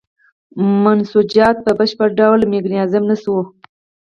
منسوجات په بشپړ ډول میکانیزه نه شول.